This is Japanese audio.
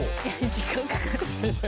時間かかる。